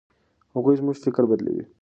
هغوی زموږ فکر بدلوي.